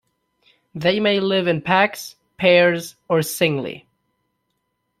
They may live in packs, pairs, or singly.